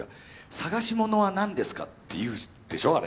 「探しものは何ですか？」って言うでしょあれ。